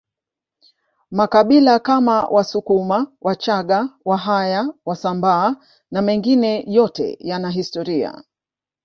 makabila Kama wasukuma wachaga wahaya wasambaa na mengine yote yana historia